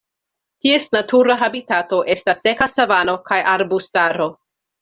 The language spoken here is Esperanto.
Ties natura habitato estas seka savano kaj arbustaro.